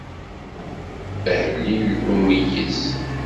Ahellil n umeyyez.